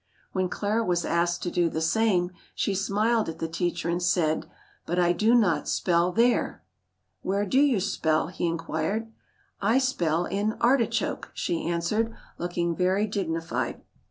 When Clara was asked to do the same, she smiled at the teacher and said: "But I do not spell there!" "Where do you spell?" he inquired. "I spell in artichoke," she answered, looking very dignified.